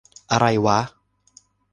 อะไรวะ !